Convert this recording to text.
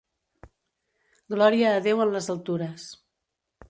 Glòria a Déu en les altures.